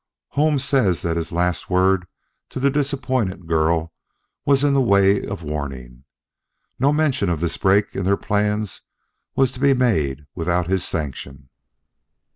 Holmes says that his last word to the disappointed girl was in the way of warning. No mention of this break in their plans was to be made without his sanction."